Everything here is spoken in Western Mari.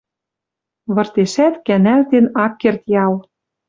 Выртешӓт кӓнӓлтен ак керд ял.